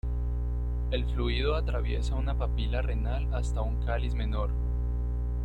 El fluido atraviesa una papila renal hasta un cáliz menor.